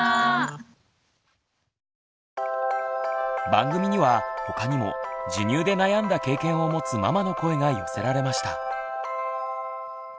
番組には他にも授乳で悩んだ経験を持つママの声が寄せられました。